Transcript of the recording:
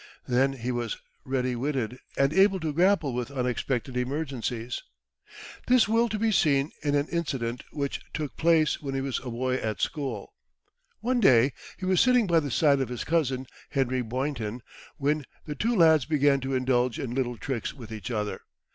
Then he was ready witted, and able to grapple with unexpected emergencies. This will be seen in an incident which took place when he was a boy at school. One day he was sitting by the side of his cousin, Henry Boynton, when the two lads began to indulge in little tricks with each other.